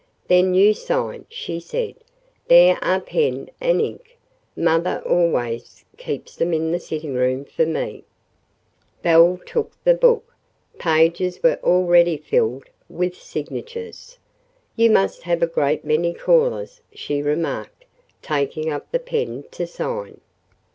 Then you sign," she said. "There are pen and ink. Mother always keeps them in the sitting room for me." Belle took the book. Pages were already filled with signatures. "You must have a great many callers," she remarked, taking up the pen to sign.